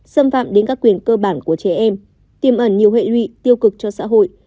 xâm phạm đến các quyền cơ bản của trẻ em tiêm ẩn nhiều hệ lụy tiêu cực cho xã hội